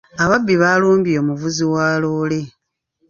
Ababbi baalumbye omuvuzi wa loole.